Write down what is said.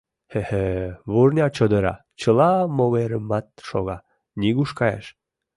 Хе-хе, вурня чодыра, чыла могырымат шога, нигуш каяш.